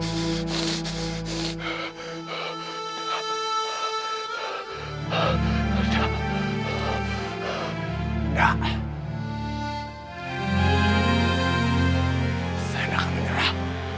saya tidak akan menyerah